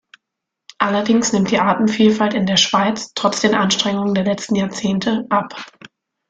Allerdings nimmt die Artenvielfalt in der Schweiz, trotz den Anstrengungen der letzten Jahrzehnte, ab.